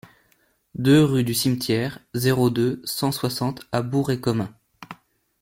deux rue du Cimetière, zéro deux, cent soixante à Bourg-et-Comin